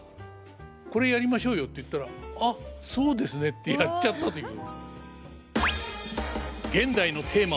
「これやりましょうよ」って言ったら「ああそうですね」ってやっちゃったという。